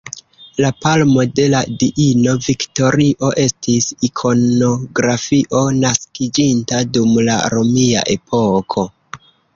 La palmo de la diino Viktorio estis ikonografio naskiĝinta dum la romia epoko.